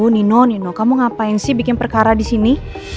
nino nino kamu ngapain sih bikin perkara di sini